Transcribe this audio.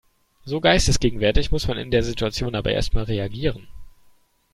So geistesgegenwärtig muss man in der Situation aber erst mal reagieren.